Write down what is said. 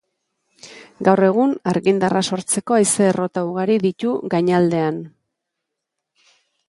Gaur egun, argindarra sortzeko haize errota ugari ditu gainaldean.